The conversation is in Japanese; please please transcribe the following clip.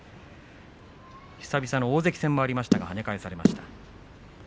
久々の大関戦もありましたがはね返されました。